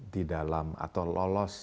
di dalam atau lolos